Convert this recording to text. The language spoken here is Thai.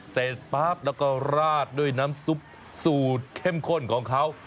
เสร็จปั๊บแล้วก็ราดด้วยน้ำซุปสูตรเข้มข้นของเขา